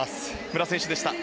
武良選手でした。